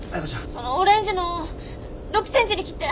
そのオレンジの６センチに切って。